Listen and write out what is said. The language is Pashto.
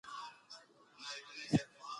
په اصفهان کې دولتي دفترونه د فساد مرکزونه وو.